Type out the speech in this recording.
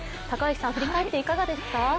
高橋さん、振り返っていかがですか？